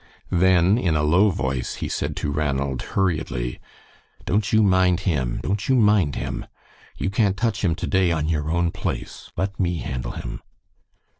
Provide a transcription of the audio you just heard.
Then in a low voice he said to Ranald, hurriedly, "Don't you mind him; don't you mind him. You can't touch him to day, on your own place. Let me handle him."